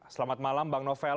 selamat malam bang novel